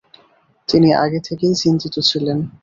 তিনি আগে থেকেই চিন্তিত ছিলেন।